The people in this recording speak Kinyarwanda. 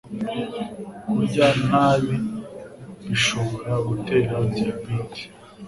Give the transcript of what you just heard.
Kurya ntabi bishobora gutera diabete